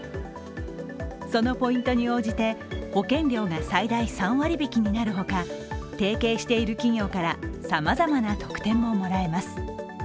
そのポイントに応じて、保険料が最大３割引きになるほか、提携している企業からさまざまな特典ももらえます。